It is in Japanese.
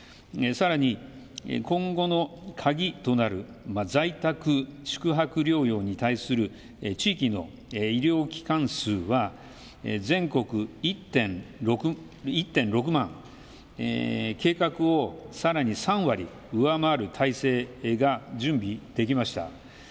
さらに、今後の鍵となる在宅宿泊療養に対する地域の医療機関数は全国１．６万、計画をさらに３割上回る体制が準備できました。